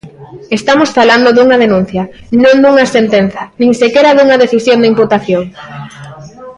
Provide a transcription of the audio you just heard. Estamos falando dunha denuncia, non dunha sentenza nin sequera dunha decisión de imputación.